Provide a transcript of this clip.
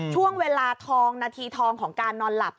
ช่วงเวลาทองนาทีทองของการนอนหลับ